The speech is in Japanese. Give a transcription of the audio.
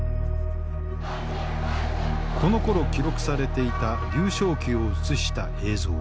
このころ記録されていた劉少奇を映した映像。